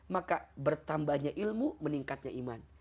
maka bertambahnya ilmu meningkatnya iman